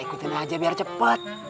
ikutin aja biar cepet